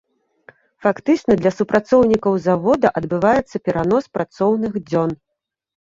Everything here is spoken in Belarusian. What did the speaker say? Фактычна, для супрацоўнікаў завода адбываецца перанос працоўных дзён.